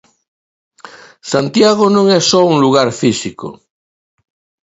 Santiago non é só un lugar físico.